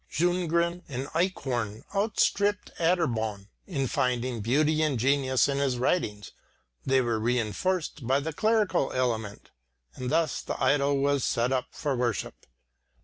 Ljunggren and Eichhorn outstripped Atterbom in finding beauty and genius in his writings they were reinforced by the clerical element, and thus the idol was set up for worship.